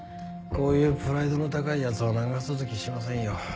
こういうプライドの高い奴は長続きしませんよ。